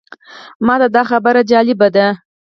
ماته دا خبره جالبه ده.